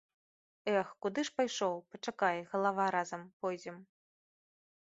Эх, куды ж пайшоў, пачакай, галава, разам пойдзем.